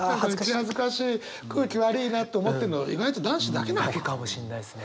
恥ずかしい空気悪いなと思ってんの意外と男子だけなのかも。だけかもしんないですね。